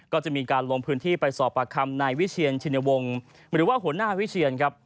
ก็จะมีการลงพื้นที่ไปสอบปากคำนายวิเชียนชินวงศ์หรือว่าหัวหน้าวิเชียนครับ